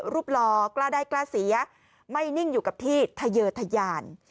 รอกล้าได้กล้าเสียไม่นิ่งอยู่กับที่ทะเยอร์ทะยาน